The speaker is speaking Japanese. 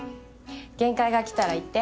限界がきたら言って。